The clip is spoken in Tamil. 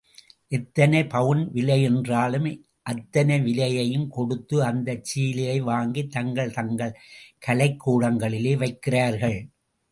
எத்தனை பவுன் விலையென்றாலும் அத்தனை விலையையும் கொடுத்து அந்தச் சிலையை வாங்கி தங்கள் தங்கள் கலைக் கூடங்களில் வைக்கிறார்கள்.